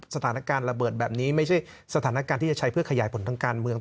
สถานการณ์ระเบิดแบบนี้ไม่ใช่สถานการณ์ที่จะใช้เพื่อขยายผลทางการเมือง